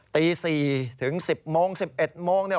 ตี๔ถึง๑๐โมง๑๑โมงเนี่ย